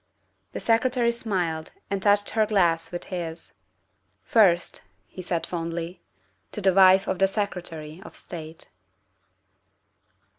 The Secretary smiled and touched her glass with his. " First," he said fondly, " to the wife of the Secre tary of State."